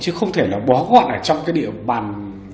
chứ không thể là bó gọn ở trong cái địa bàn